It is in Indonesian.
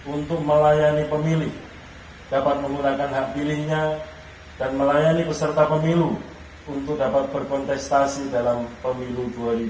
untuk melayani pemilih dapat menggunakan hak pilihnya dan melayani peserta pemilu untuk dapat berkontestasi dalam pemilu dua ribu dua puluh